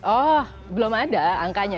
oh belum ada angkanya